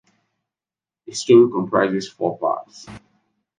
The story comprises four parts.